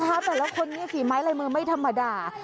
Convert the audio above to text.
แต่ละคนนี้สิมั้ยไม่ธรรมดา